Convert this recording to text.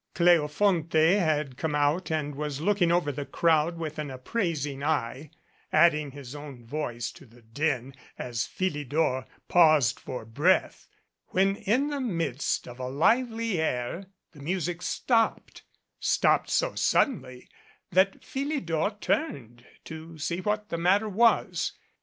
Cleofonte had come out and was looking over the crowd with an appraising eye, adding his own voice to the din as Philidor paused for breath, when in the midst of a lively air the music stopped stopped so suddenly that Philidor turned to see what the matter was.